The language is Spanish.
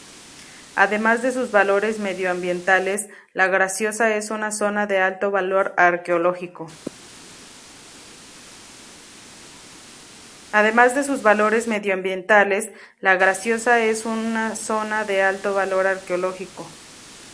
Además de sus valores medioambientales, La Graciosa es una zona de alto valor arqueológico.